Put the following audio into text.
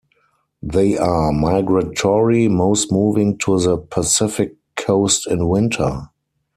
They are migratory, most moving to the Pacific coast in winter.